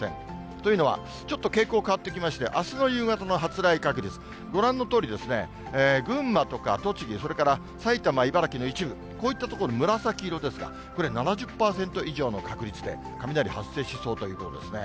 というのは、ちょっと傾向変わってきまして、あすの夕方の発雷確率、ご覧のとおり、群馬とか、栃木、それから埼玉、茨城の一部、こういった所、紫色ですが、これ、７０％以上の確率で、雷発生しそうということですね。